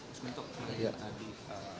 untuk menang adik